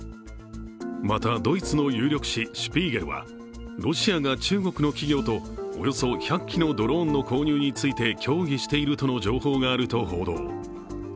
また、ドイツの有力誌「シュピーゲル」は、ロシアが中国の企業とおよそ１００機のドローンの購入について協議しているとの情報があると報道。